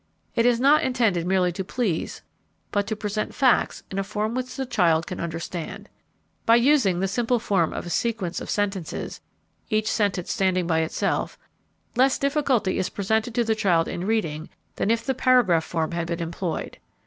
It is not intended merely to please but to present facts in a form which the child can understand. By using the simple form of a sequence of sentences, each sentence standing by itself, less difficulty is presented to the child in reading than if the paragraph form had been employed.